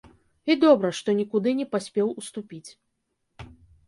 І добра, што нікуды не паспеў уступіць.